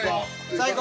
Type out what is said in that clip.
最高。